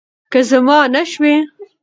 که زما نه شوی